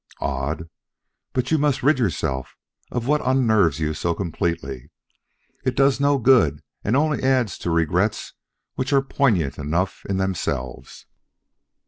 "Odd! but you must rid yourself of what unnerves you so completely. It does no good and only adds to regrets which are poignant enough in themselves."